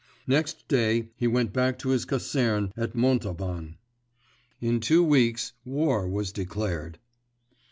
Next day he went back to his caserne at Montauban. In two weeks war was declared!